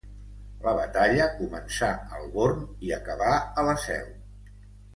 La batalla començà al Born i acabà a la Seu.